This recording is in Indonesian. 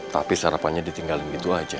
tapi sarapannya ditinggalin gitu aja